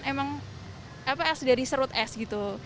emang dari serut es gitu